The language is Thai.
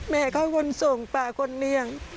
แม่เขาคนส่งป่าคนเลี้ยง